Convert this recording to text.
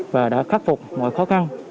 và đã khắc phục mọi khó khăn